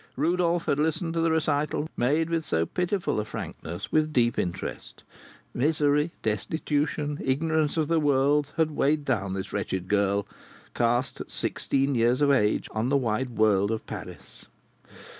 Rodolph had listened to the recital, made with so painful a frankness, with deep interest. Misery, destitution, ignorance of the world, had weighed down this wretched girl, cast at sixteen years of age on the wide world of Paris!